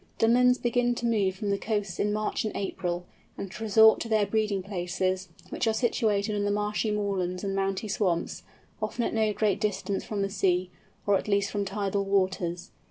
Dunlins begin to move from the coasts in March and April, and to resort to their breeding places, which are situated on the marshy moorlands and mountain swamps, often at no great distance from the sea, or at least from tidal waters.